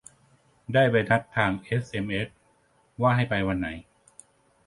ได้ใบนัดทางเอสเอ็มเอส ว่าให้ไปวันไหน